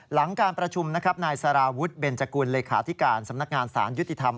หลังการประชุมนะครับนายสารวุฒิเบนจกุลเลขาธิการสำนักงานสารยุติธรรม